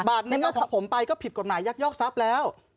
บาทนึงเอาของผมไปก็ผิดกฎหมายยักยอกทรัพย์แล้ว